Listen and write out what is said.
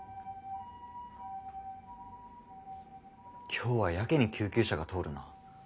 今日はやけに救急車が通るな。